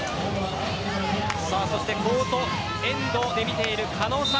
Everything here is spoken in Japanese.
コートエンドで見ている狩野さん